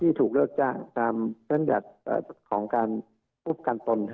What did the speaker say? ที่ถูกเลือกจ้างตามเรื่องจากของการรูปการตน